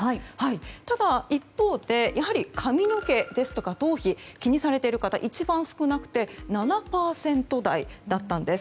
ただ、一方でやはり髪の毛ですとか頭皮気にされている方一番少なくて７％台だったんです。